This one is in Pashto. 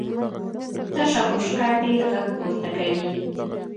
تشه بشکه ډېر غږ پورته کوي .